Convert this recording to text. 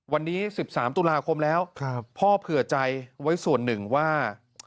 วันนี้๑๓ตุลาคมแล้วพ่อเผื่อใจไว้ส่วนหนึ่งว่า